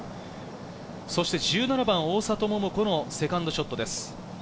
１７番、大里桃子のセカンドショットです。